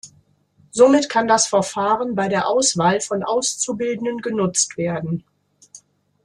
Somit kann das Verfahren bei der Auswahl von Auszubildenden genutzt werden.